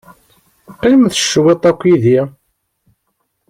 Qqimemt cwit akked-i.